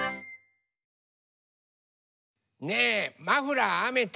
ねえマフラーあめた？